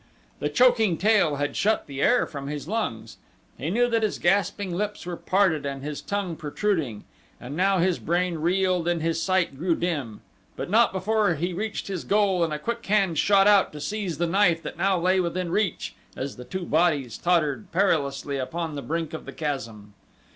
The choking tail had shut the air from his lungs, he knew that his gasping lips were parted and his tongue protruding; and now his brain reeled and his sight grew dim; but not before he reached his goal and a quick hand shot out to seize the knife that now lay within reach as the two bodies tottered perilously upon the brink of the chasm.